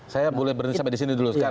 saya boleh berhenti sampai disini dulu